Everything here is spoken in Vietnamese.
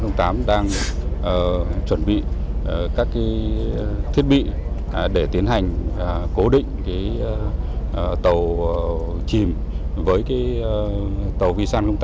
chúng tôi đang chuẩn bị các thiết bị để tiến hành cố định tàu chìm với tàu v ba trăm linh tám